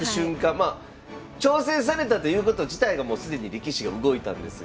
まあ挑戦されたということ自体がもう既に歴史が動いたんですが。